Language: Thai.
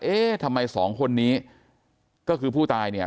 เอ๊ะทำไมสองคนนี้ก็คือผู้ตายเนี่ย